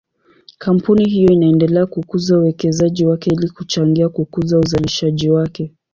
Kampuni hiyo inaendelea kukuza uwekezaji wake ili kuchangia kukuza uzalishaji wake.